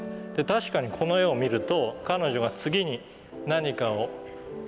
確かにこの絵を見ると彼女が次に何かをささやくのか